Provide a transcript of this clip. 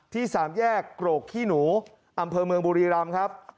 สามแยกโกรกขี้หนูอำเภอเมืองบุรีรำครับ